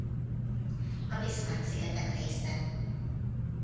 A Bismarck-szigetek része.